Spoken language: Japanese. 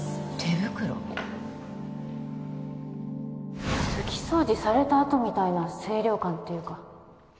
拭き掃除されたあとみたいな清涼感っていうか